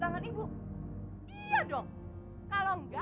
tenging itu pasangan gue tidak terlalu obtained